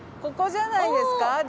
ここじゃないですか？